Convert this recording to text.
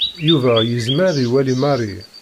Yuba yezmer ad iwali Mary.